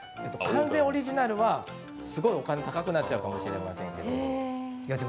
完全オリジナルはすごくお金、高くなっちゃうかもしれないですけど。